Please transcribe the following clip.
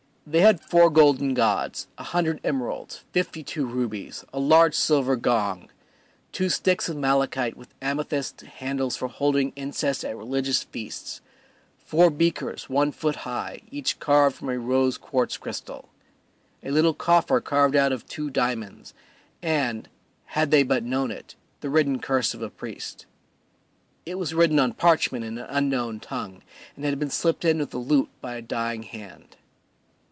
They had four golden gods, a hundred emeralds, fifty two rubies, a large silver gong, two sticks of malachite with amethyst handles for holding incense at religious feasts, four beakers one foot high, each carved from a rose quartz crystal; a little coffer carved out of two diamonds, and (had they but known it) the written curse of a priest. It was written on parchment in an unknown tongue, and had been slipped in with the loot by a dying hand.